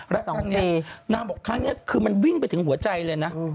นางบอกครั้งนี้คือมันวิ่งไปถึงหัวใจเลยนะ